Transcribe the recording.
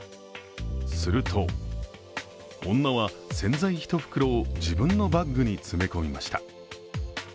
すると、女は洗剤１袋を自分のバッグに詰め込みました。